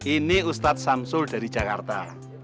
ini ustadz samsul dari jakarta